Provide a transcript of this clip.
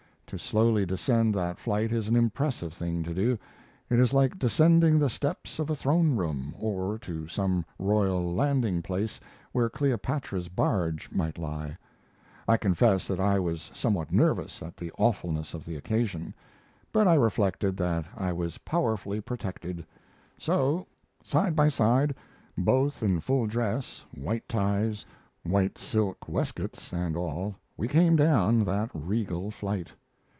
To slowly descend that flight is an impressive thing to do. It is like descending the steps of a throne room, or to some royal landing place where Cleopatra's barge might lie. I confess that I was somewhat nervous at the awfulness of the occasion, but I reflected that I was powerfully protected; so side by side, both in full dress, white ties, white silk waistcoats, and all, we came down that regal flight.